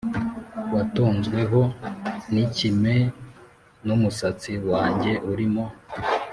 watonzweho n ikime N umusatsi wanjye urimo